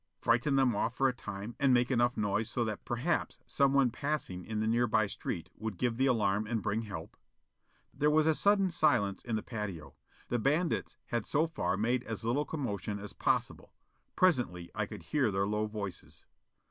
Frighten them off, for a time, and make enough noise so that perhaps someone passing in the nearby street would give the alarm and bring help? There was a sudden silence in the patio. The bandits had so far made as little commotion as possible. Presently I could hear their low voices.